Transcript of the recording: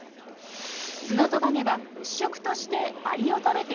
ツノトカゲは主食としてアリを食べていましたよね？